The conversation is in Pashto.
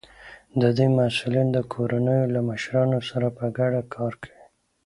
د دوی مسؤلین د کورنیو له مشرانو سره په ګډه کار کوي.